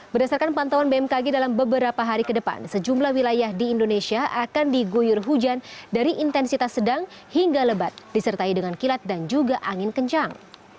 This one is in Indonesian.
berdasarkan pantauan bmkg dalam beberapa hari ke depan sejumlah wilayah di indonesia akan diguyur hujan dari intensitas sedang hingga lebat disertai dengan kilat dan juga angin kencang